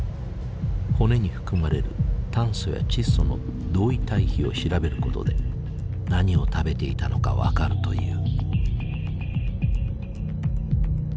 骨に含まれる炭素や窒素の同位体比を調べることで何を食べていたのか分かるという。